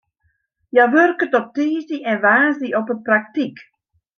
Hja wurket op tiisdei en woansdei op de praktyk.